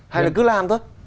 hay là cứ làm thôi